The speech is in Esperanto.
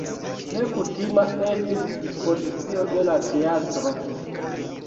Nekutima estis dispozicio de la teatro.